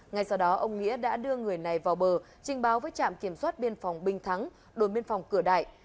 ngay sau đó ông nghĩa đã đưa người này vào bờ trình báo với trạm kiểm soát biên phòng bình thắng đồn biên phòng cửa đại